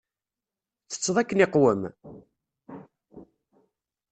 Tsetteḍ akken iqwem?